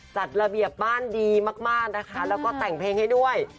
จัดระเบียบบ้านดีมากนะคะแล้วก็แต่งเพลงให้ด้วย